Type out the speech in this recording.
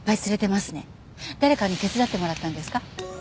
誰かに手伝ってもらったんですか？